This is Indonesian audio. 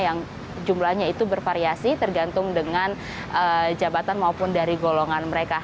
yang jumlahnya itu bervariasi tergantung dengan jabatan maupun dari golongan mereka